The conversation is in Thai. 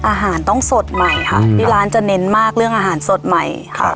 อาหารต้องสดใหม่ค่ะที่ร้านจะเน้นมากเรื่องอาหารสดใหม่ค่ะ